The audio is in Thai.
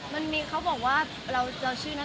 มีปิดฟงปิดไฟแล้วถือเค้กขึ้นมา